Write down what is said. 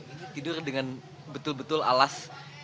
ini tidur dengan betul betul alas